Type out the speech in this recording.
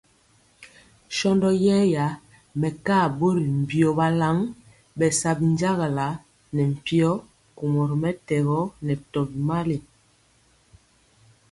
Shɔndɔ yɛra mɛkaa ɓɔri mbio balan bɛ sa binjagala ne mpyo kumɔ ri mɛtɛgɔ nɛ tɔbi mali.